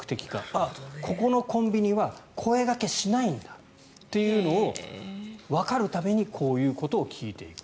あっ、ここのコンビニは声掛けしないんだというのをわかるためにこういうことを聞いている。